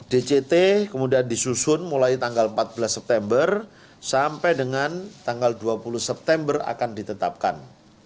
dct kemudian disusun mulai tanggal empat belas september sampai dengan tanggal dua puluh september akan ditetapkan